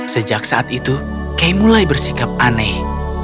sejak saat itu kay mulai bersikap aneh